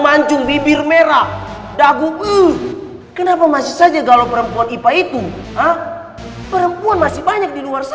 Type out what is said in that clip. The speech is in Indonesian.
mancung bibir merah dagu kenapa masih saja galau perempuan itu ha perempuan masih banyak di luar